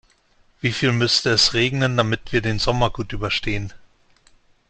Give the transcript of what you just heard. Wieviel müsste es regnen, damit wir den Sommer gut überstehen?